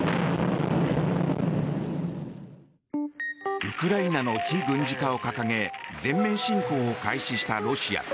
ウクライナの非軍事化を掲げ全面侵攻を開始したロシア。